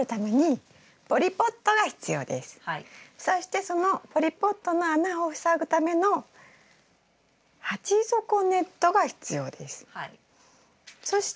そしてそのポリポットの穴を塞ぐための鉢底ネットが必要です。